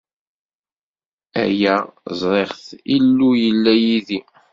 Aya ẓriɣ-t: Illu yella yid-i.